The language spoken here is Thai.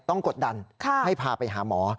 กดดันให้พาไปหาหมอ